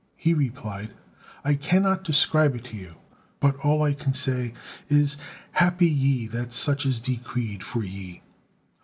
He replied: "I cannot describe it to you, but all I can say is, happy ye that such is decreed for ye!"